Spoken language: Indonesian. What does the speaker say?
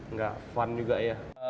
nggak fun juga ya